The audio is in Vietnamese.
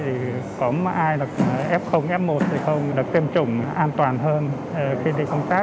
thì cũng ai là f f một thì không được tiêm chủng an toàn hơn khi đi công tác